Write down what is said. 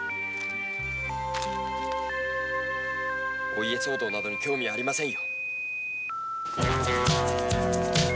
お家騒動など興味ありません。